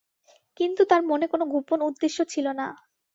কিন্তু তাঁর মনে কোনো গোপন উদ্দেশ্য ছিল না।